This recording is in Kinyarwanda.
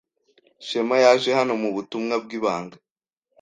Shema yaje hano mubutumwa bwibanga.